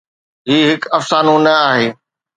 هي هڪ افسانو نه آهي.